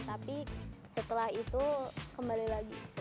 tapi setelah itu kembali lagi semula latihan